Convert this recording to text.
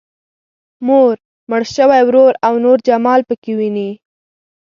مور، مړ شوی ورور او نور جمال پکې ويني.